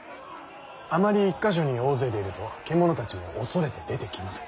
あまり１か所に大勢でいると獣たちも恐れて出てきません。